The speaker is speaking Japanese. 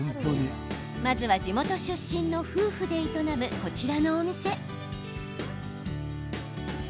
まずは地元出身の夫婦で営むこちらのお店。